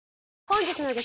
本日の激